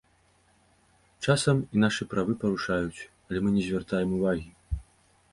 Часам і нашы правы парушаюць, але мы не звяртаем увагі.